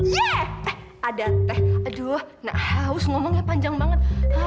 yee eh ada teh aduh nak haus ngomongnya panjang banget